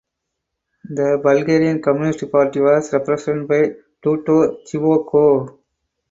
The Bulgarian Communist Party was represented by Todor Zhivkov.